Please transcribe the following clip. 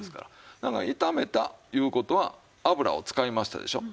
だから炒めたいう事は油を使いましたでしょう。